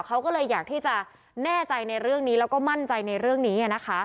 เขาก็เลยอยากที่จะแน่ใจในเรื่องนี้แล้วก็มั่นใจในเรื่องนี้นะคะ